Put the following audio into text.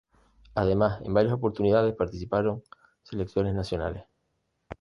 Además, en varias oportunidades, participaron selecciones nacionales.